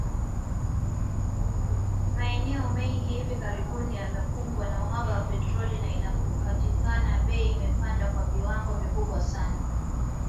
Maeneo mengi hivi karibuni yamekumbwa na uhaba wa petroli na inapopatikana, bei imepanda kwa viwango vikubwa sana.